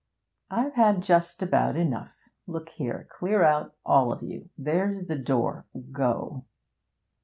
'I've had just about enough. Look here, clear out, all of you! There's the door go!'